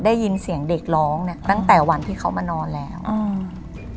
ได้ยินเสียงเด็กร้องเนี้ยตั้งแต่วันที่เขามานอนแล้วอืม